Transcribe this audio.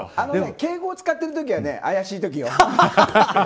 敬語を使ってる時は怪しい時よ。